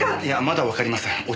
いやまだわかりません。